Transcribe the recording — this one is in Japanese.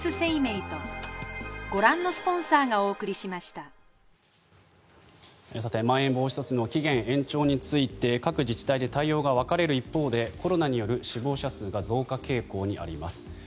まん延防止措置の期限延長について各自治体で対応が分かれる一方でコロナによる死亡者数が増加傾向にあります。